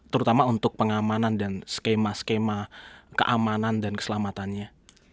terutama untuk pengamanan dan skema skema keamanan dan keselamatannya